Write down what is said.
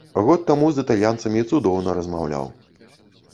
Год таму з італьянцамі цудоўна размаўляў.